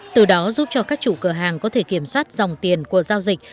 từ đó giúp cho các chủ cửa hàng có thể kiểm soát dòng tiền của giao dịch